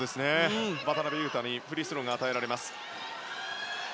渡邊雄太にフリースローが与えられます。